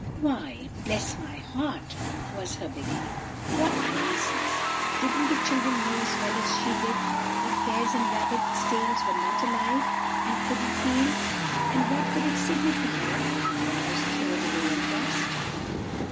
"'Why, bless my heart,' was her beginning, 'what nonsense! Didn't the children know as well as she did, that hares' and rabbits' tails were not alive, and couldn't feel? and what could it signify of one of them was thrown away and lost?